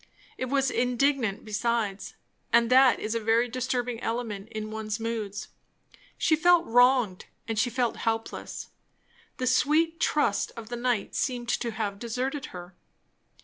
It was indignant besides; and that is a very disturbing element in one's moods. She felt wronged, and she felt helpless. The sweet trust of the night seemed to have deserted her.